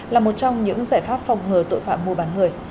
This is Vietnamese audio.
là một trong những giải pháp phòng ngờ tội phạm mô bán người